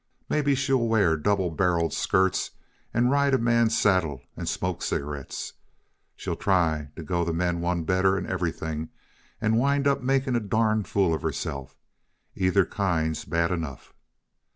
Maybe she'll wear double barreled skirts and ride a man's saddle and smoke cigarettes. She'll try to go the men one better in everything, and wind up by making a darn fool of herself. Either kind's bad enough."